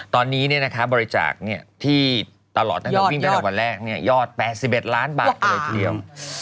ตอนนี้บริจาคที่ตลอดตั้งแต่วิ่งไปตั้งแต่วันแรกยอด๘๑ล้านบาทกันเลยทีเดียว